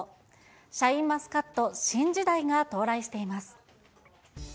シャインマスカット新時代が到来しています。